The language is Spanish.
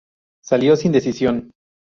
Salió sin decisión.